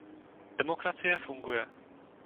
Demokracie funguje.